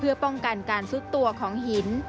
เพื่อป้องกันการซุดตัวของหิน